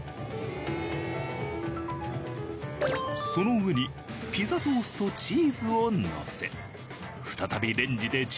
その上にピザソースとチーズをのせ再びレンジでチンすれば。